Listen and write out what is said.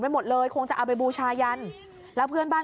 หมดเลยคงจะเอาไปบูชายันแล้วเพื่อนบ้าน